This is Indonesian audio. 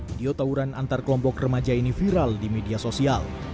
video tawuran antar kelompok remaja ini viral di media sosial